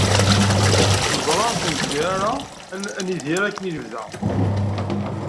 Neẓra ur nezmir ara ad nidir akken i lebda.